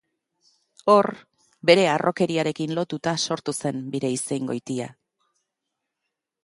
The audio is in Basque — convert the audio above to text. Hor, bere harrokeriarekin lotuta, sortu zen bere izengoitia.